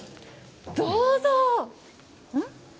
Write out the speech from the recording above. どうぞ。